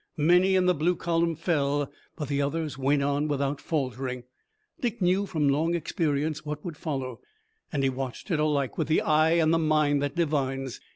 Many in the blue column fell, but the others went on without faltering. Dick knew from long experience what would follow, and he watched it alike with the eye and the mind that divines.